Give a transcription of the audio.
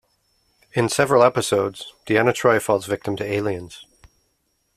In several episodes, Deanna Troi falls victim to aliens.